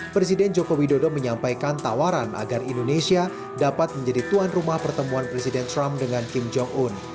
presiden joko widodo menyampaikan tawaran agar indonesia dapat menjadi tuan rumah pertemuan presiden trump dengan kim jong un